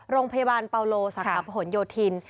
โรงพยาบาลเปาโลสาขาพหนโยธิน